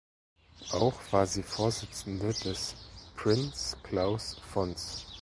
Auch war sie Vorsitzende des "Prins Claus Fonds".